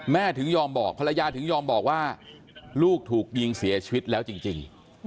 ถึงยอมบอกภรรยาถึงยอมบอกว่าลูกถูกยิงเสียชีวิตแล้วจริง